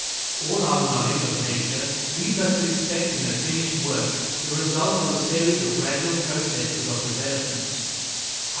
All our knowledge of Nature leads us to expect in her finished work the result of a series of gradual processes of development.